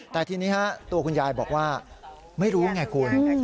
แต่ทีนี้ตัวคุณยายบอกว่าไม่รู้ไงคุณ